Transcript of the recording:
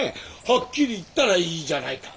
はっきり言ったらいいじゃないか。